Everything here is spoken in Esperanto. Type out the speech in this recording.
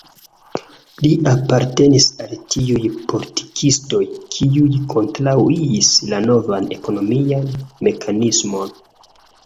Li apartenis al tiuj politikistoj, kiuj kontraŭis la novan ekonomian mekanismon.